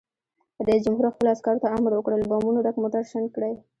رئیس جمهور خپلو عسکرو ته امر وکړ؛ له بمونو ډک موټر شنډ کړئ!